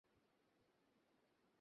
আর এক মুহূর্ত না।